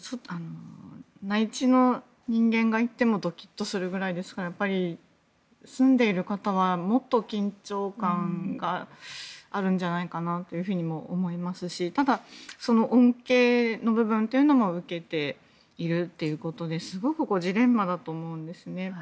内地の人間が行ってもドキッとするぐらいですから住んでいる方はもっと緊張感があるんじゃないかなとも思いますしただ、恩恵の部分というのも受けているということですごくジレンマだと思うんですね。